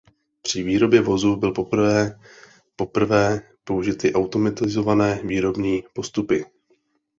Při výrobě vozu byl poprvé poprvé použity automatizované výrobní postupy.